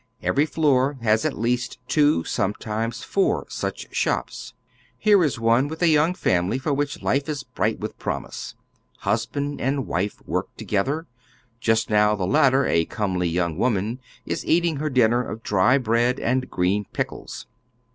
Every floor lias at least two, some times four, such shops. Here is one with a young family for which life is bright with promise. Ilnsband and wife work together; just now tlie latter, a comely young wom an, is eating her dinner of dry bread and green pickles.